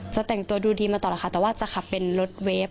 จะแต่งตัวดูดีมาตลอดค่ะแต่ว่าจะขับเป็นรถเวฟ